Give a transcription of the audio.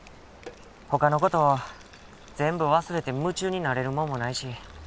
他のこと全部忘れて夢中になれるもんもないし